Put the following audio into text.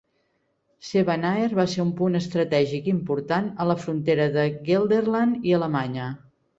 Sevenaer va ser un punt estratègic important a la frontera de Gelderland i Alemanya.